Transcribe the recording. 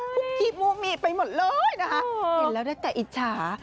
คุกกีโมมีไปหมดเลยนะคะเห็นแล้วได้แต่อิจฉา